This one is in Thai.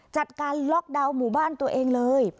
จัดการล็อกดาวน์หมู่บ้านตัวเองเลย